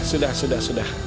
sudah sudah sudah